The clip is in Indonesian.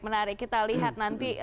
menarik kita lihat nanti